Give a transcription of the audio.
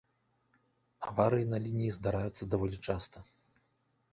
Аварыі на лініі здараюцца даволі часта.